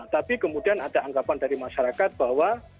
tapi kemudian ada anggapan dari masyarakat bahwa